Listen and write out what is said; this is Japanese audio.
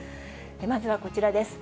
まずはこちらです。